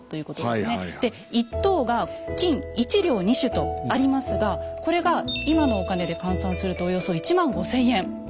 で１等が「金一両二朱」とありますがこれが今のお金で換算するとおよそ１万５千円。